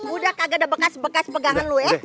udah kagak ada bekas bekas pegangan lu ya